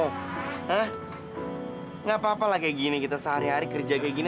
eh gak apa apa lah kayak gini kita sehari hari kerja kayak gini